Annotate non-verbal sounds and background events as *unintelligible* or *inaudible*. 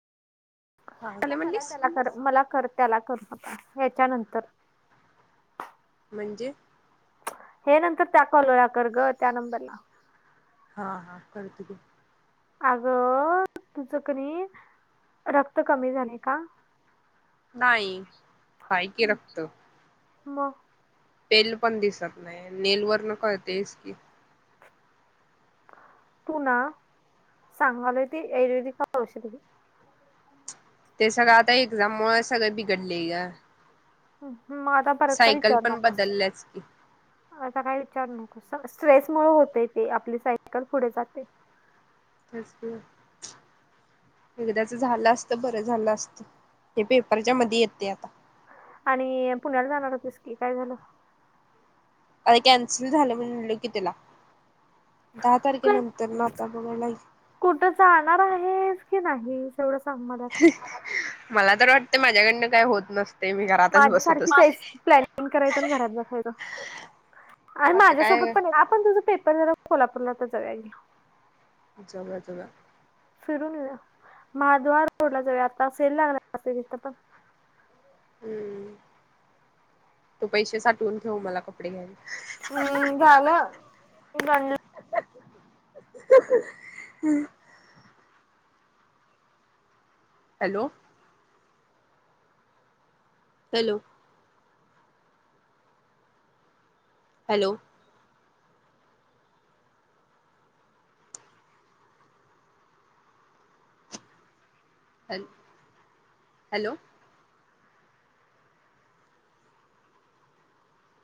झाले आता मला म्हणलीस त्याला कर, मला कर त्याला कर, ह्याच्या नंतर म्हणजे? हे नंतर त्या कॉलर ला कर ग, त्या नंबरला. हा हा करते की. अगं, तुझं की नई रक्त कमी झाले का? नाही, आहे की रक्त. म? पेल पण दिसत नाही, नेल वरनं कळतंयच की. तू ना, सांगालोय ते आयुर्वेदिक औषध घे. *unintelligible* ते सगळं आता एक्झाममुळं सगळं बिघडलंय ग. हम्म, म आता परत काय सायकल विचारू पण नकोस. बदलल्याच की आता काय विचार नकोस, स्ट्रेस मुळे होतंय ते आपली सायकल पुढे जाते. तेच ग. एकदाचं झालं असतं बरं झालं असतं, हे पेपरच्या मध्ये येतंय आता. आणि पुण्याला जाणार होतीस की, काय झालं? आरे कॅन्सल झालं म्हटलं की तुला, दहा काय तारखेनंतर ना आता बघायला कुठं जाणार आहेस की नाहीस? एवढं सांग मला. आता मला तर वाट ते माझ्याकडनं काय होत नस माझ्या सारखीच आहेस, प्लॅनिंग करायचं आणि घरात बसायचं. आणि आता माझ्यासोबत काय पण, आपण तुझं पेपर जरा कोल्हापूरला तच जाऊया घे जाऊया जाऊया. फिरून येऊया, महाद्वार रोडला जाऊया आता सेल लागलाय असं तिथं पण. हम्म, तू पैसे साठवून ठेव मला कपडे घ्यायला. हम्म झालं, गंड *unintelligible* hello! Hello! Hello! Hello, hello!